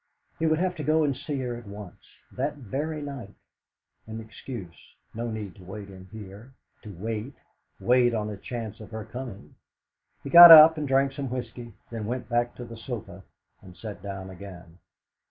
He would have to go and see her at once, that very night; an excuse no need to wait in here to wait wait on the chance of her coming. He got up and drank some whisky, then went back to the sofa and sat down again.